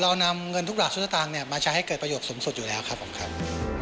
เรานำเงินทุกหลักทุกชาตางมาใช้ให้เกิดประโยชน์สูงสุดอยู่แล้วครับ